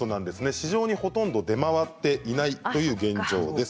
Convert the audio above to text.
市場にほとんど出回っていないという現状です。